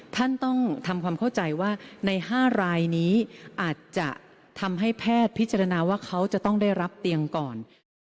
ท่านต้องทำความเข้าใจว่าใน๕รายนี้อาจจะทำให้แพทย์พิจารณาว่าเขาจะต้องได้รับเตียงก่อน